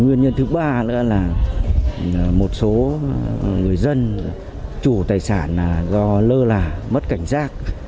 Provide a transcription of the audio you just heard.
nguyên nhân thứ ba nữa là một số người dân chủ tài sản do lơ là mất cảnh giác